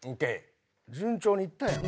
順調にいったやん。